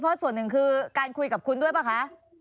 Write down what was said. เพราะส่วนหนึ่งคือการคุยกับคุณด้วยป่ะคะ